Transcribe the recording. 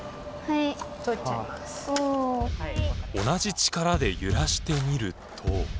同じ力で揺らしてみると。